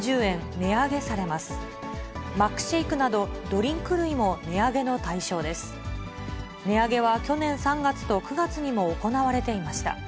値上げは去年３月と９月にも行われていました。